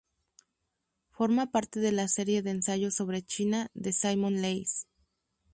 Forma parte de la serie de ensayos sobre China de Simon Leys.